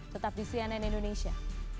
tetap di cnn indonesia